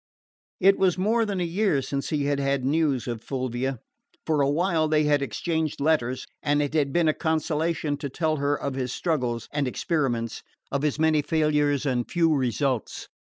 It was more than a year since he had had news of Fulvia. For a while they had exchanged letters, and it had been a consolation to tell her of his struggles and experiments, of his many failures and few results.